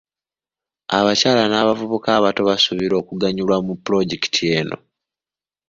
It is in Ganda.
Abakyala n'abavubuka abato basuubirwa okuganyulwa mu pulojekiti eno.